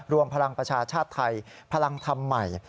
รวมพลังประชาชาติไทยพลังธรรมใหม่